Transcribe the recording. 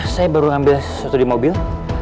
saya baru ambil satu di mobil